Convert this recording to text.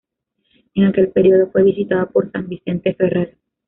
En aquel periodo fue visitada por San Vicente Ferrer.